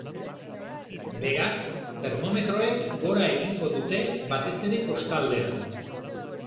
Beraz, termometroek gora egingo dute, batez ere kostaldean.